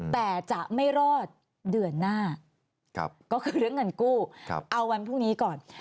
แต่จะไม่รอดเดือนหน้าก็คือเรื่องเงินกู้เอาวันพรุ่งนี้ก่อน